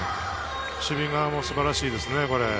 守備側も素晴らしいですね。